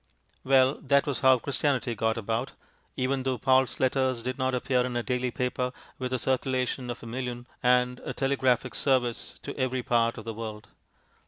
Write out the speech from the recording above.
Well, that was how Christianity got about, even though Paul's letters did not appear in a daily paper with a circulation of a million and a telegraphic service to every part of the world.